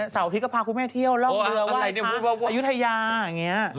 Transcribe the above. สาวนี้ก็พาคุณแม่เที่ยวเล่าเมื่อว่ายพาอยุธยาอย่างเงี้ย